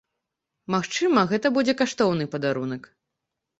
Магчыма, гэта будзе каштоўны падарунак.